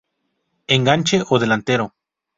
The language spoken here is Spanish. Enganche o Delantero.